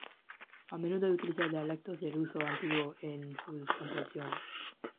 A menudo utiliza dialectos de ruso antiguo en sus composiciones.